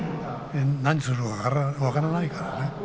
何するか分からないからね。